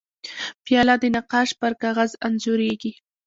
پیاله د نقاش پر کاغذ انځورېږي.